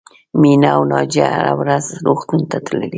مینه او ناجیه هره ورځ روغتون ته تللې